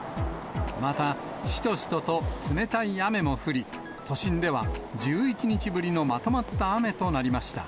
また、しとしとと冷たい雨も降り、都心では１１日ぶりのまとまった雨となりました。